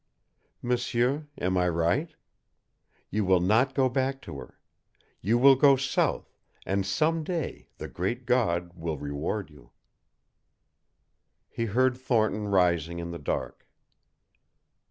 M'sieur, am I right? You will not go back to her. You will go south, and some day the Great God will reward you." He heard Thornton rising in the dark.